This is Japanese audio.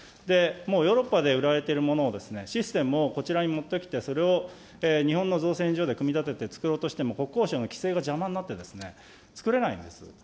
もうヨーロッパで売られているものを、システムをこちらに持ってきて、それを日本の造船所で組み立ててつくろうとしても、国交省の規制が邪魔になってですね、つくれないんです。